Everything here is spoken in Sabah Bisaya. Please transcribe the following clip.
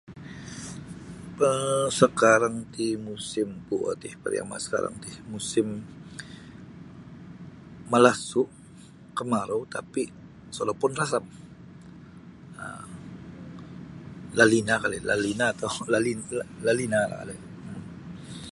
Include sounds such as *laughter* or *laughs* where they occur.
Pe sakarang ti musim kuo ti pariama sakarang ti musim malasu' kamarau tapi sodopon rasam um la lina kali la lina tou *laughs* linalah kali.